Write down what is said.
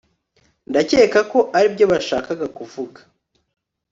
Ndakeka ko aribyo bashakaga kuvuga